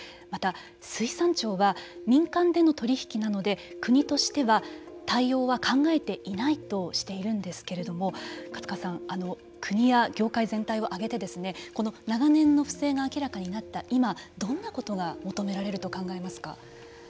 また水産庁は民間での取り引きなので国としては対応は考えていないとしているんですけれども勝川さん、国や業界全体を挙げてこの長年の不正が明らかになった今どんなことが求められると考えますか。